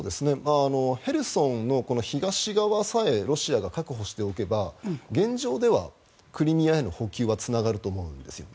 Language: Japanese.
ヘルソンの東側さえロシアが確保しておけば現状ではクリミアへの補給はつながると思うんですよ。